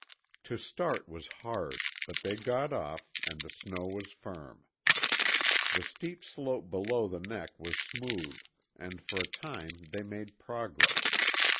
To start was hard, but they got off and the snow was firm. The steep slope below the neck was smooth and for a time they made progress.